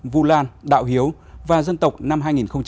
vũ lan đạo hiếu và dân tộc năm hai nghìn hai mươi